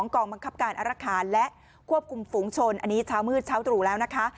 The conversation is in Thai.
กองบังคับการอรคารและควบคุมฝูงชนอันนี้เช้ามืดเช้าตรู่แล้วนะคะ